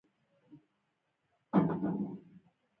ولي پښتانه په پښتو ژبه کي فارسي مثالونه وايي؟